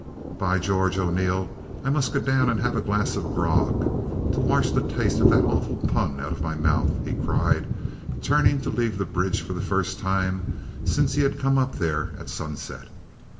"By George, O'Neil! I must go down and have a glass of grog to wash the taste of that awful pun out of my mouth!" he cried, turning to leave the bridge for the first time since he had come up there at sunset.